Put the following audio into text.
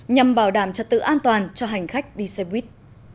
nhằm bảo đảm trật tự an toàn cho hành khách đi xe buýt